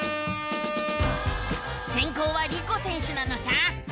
せんこうはリコ選手なのさ！